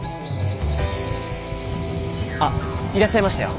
あっいらっしゃいましたよ